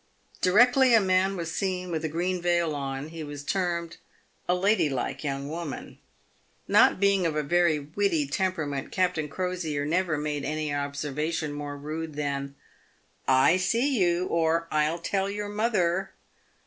Directly a man was seen with a green veil on, he was termed " a ladylike young woman." Not being of a very witty temperament, Captain Crosier never made any observation more rude than "/see you," or "I'll tell your mother."